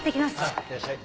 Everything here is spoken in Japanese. いってらっしゃい。